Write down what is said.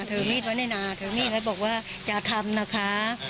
ถือมีดมานี่น้าถือมีดมานี่น้าแล้วบอกว่าอย่าทำนะคะ